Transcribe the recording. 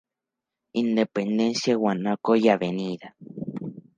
Independencia, Guanaco y Av.